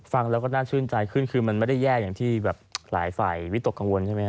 ฟังแล้วก็น่าชื่นใจขึ้นคือมันไม่ได้แย่อย่างที่แบบหลายฝ่ายวิตกกังวลใช่ไหมฮ